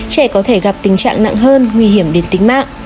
trẻ có thể gặp tình trạng nặng hơn nguy hiểm đến tính mạng